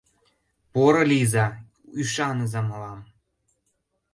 Порылийза, ӱшаныза мылам.